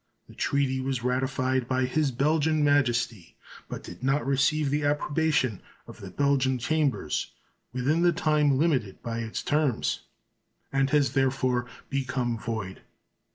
The treaty was ratified by His Belgian Majesty, but did not receive the approbation of the Belgian Chambers within the time limited by its terms, and has therefore become void.